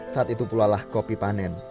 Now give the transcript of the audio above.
saat itu pulalah kopi panen